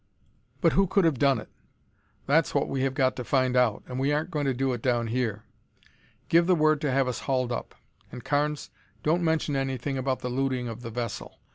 "But who could have done it?" "That's what we have got to find out, and we aren't going to do it down here. Give the word to have us hauled up; and, Carnes, don't mention anything about the looting of the vessel.